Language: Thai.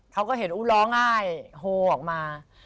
เขาก็เห็นอู๋ร้องไห้โฮออกมา